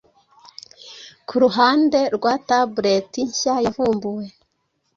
Kuruhande rwa tablet nshya yavumbuwe